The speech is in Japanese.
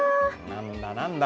何だ何だ。